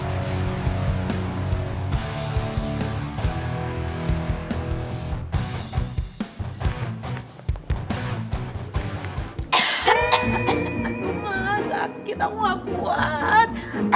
aduh mas sakit aku akuat